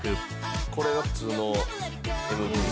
「これが普通のＭＶね」